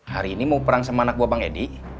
hari ini mau perang sama anak buah bang edi